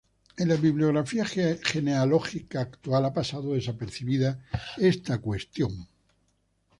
En la bibliografía genealógica actual ha pasado desapercibida esta cuestión.